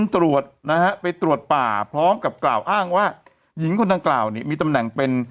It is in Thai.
ตรวจนะฮะไปตรวจป่าพร้อมกับกล่าวอ้างว่าหญิงคนดังกล่าวเนี่ยมีตำแหน่งเป็น